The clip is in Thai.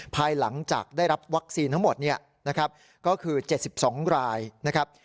ภายหลังจากได้รับวัคซีนทั้งหมดเนี่ยนะครับก็คือ๗๒รายนะครับ